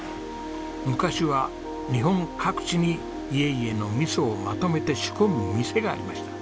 昔は日本各地に家々の味噌をまとめて仕込む店がありました。